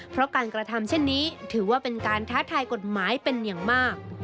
เพราะการกระทำเช่นนี้ถือว่าเป็นการท้าทายกฎหมายเป็นอย่างมาก